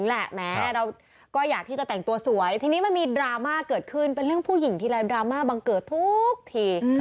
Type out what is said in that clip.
ดราม่าเกิดขึ้นเป็นเรื่องผู้หญิงที่ไลน์ดราม่าบังเกิดทุกที